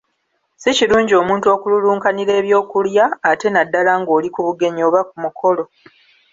Si kirungi omuntu okululunkanira eby’okulya, ate naddala ng’oli ku bugenyi oba ku mukolo.